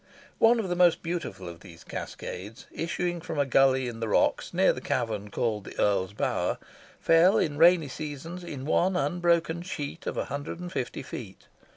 One of the most beautiful of these cascades, issuing from a gully in the rocks near the cavern called the Earl's Bower, fell, in rainy seasons, in one unbroken sheet of a hundred and fifty feet.